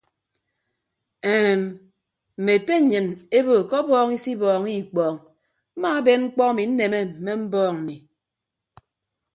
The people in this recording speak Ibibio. Eem mme ete nnyịn ebo ke ọbọọñ isibọọñọ ikpọọñ mmaaben mkpọ emi nneme mme mbọọñ mmi.